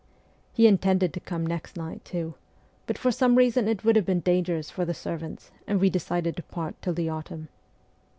He intended to come next night, too, but for some reason it would have been dangerous for the servants, and we decided to part till the autumn.